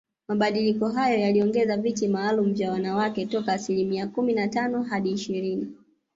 Mabadiliko hayo yaliongeza viti maalum vya wanawake toka asilimia kumi na tano hadi ishirini